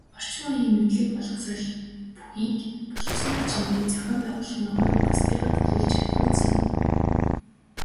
Орчин үеийн мэдлэг боловсрол бүхий боловсон хүчинтэй, зохион байгуулалтын хувьд бусдыгаа төлөөлж чадахуйц юм.